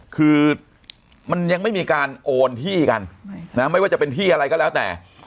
คือมันยังไม่มีการโอนที่กันไม่ว่าจะเป็นที่อะไรก็แล้วแต่